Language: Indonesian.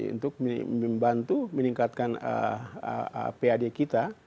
untuk membantu meningkatkan pad kita